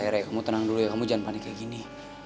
ya rai rai kamu tenang dulu ya kamu jangan panik kayak gini